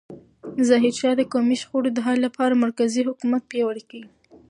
ظاهرشاه د قومي شخړو د حل لپاره مرکزي حکومت پیاوړی کړ.